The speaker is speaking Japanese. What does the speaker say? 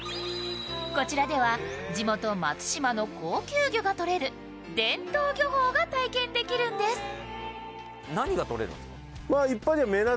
こちらでは地元・松島の高級魚がとれる伝統漁法が体験できるんです。